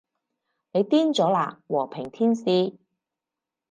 你癲咗喇，和平天使